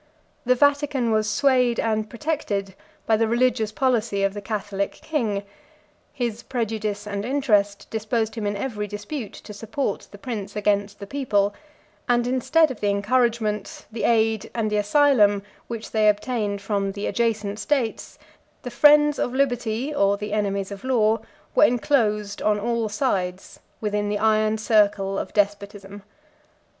The Vatican was swayed and protected by the religious policy of the Catholic king: his prejudice and interest disposed him in every dispute to support the prince against the people; and instead of the encouragement, the aid, and the asylum, which they obtained from the adjacent states, the friends of liberty, or the enemies of law, were enclosed on all sides within the iron circle of despotism.